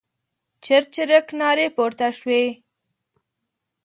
چرچرک نارې پورته شوې.